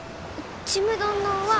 ちむどんどんは。